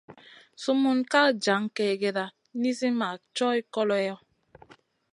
Sumun ka jan kègèda nizi ma co koleyo.